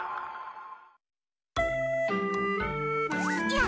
や！